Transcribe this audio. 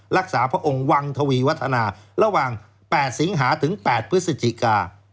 พระองค์วังทวีวัฒนาระหว่าง๘สิงหาถึง๘พฤศจิกา